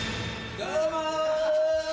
どうも。